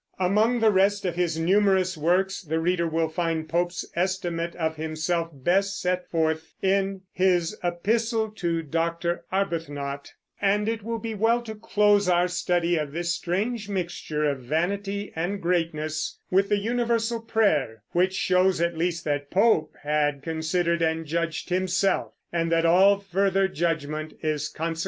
Among the rest of his numerous works the reader will find Pope's estimate of himself best set forth in his "Epistle to Dr. Arbuthnot," and it will be well to close our study of this strange mixture of vanity and greatness with "The Universal Prayer," which shows at least that Pope had considered, and judged himself, and that all further judgment is consequently superfluous.